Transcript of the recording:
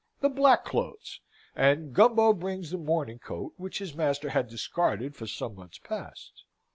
The black clothes." And Gumbo brings the mourning coat which his master had discarded for some months past.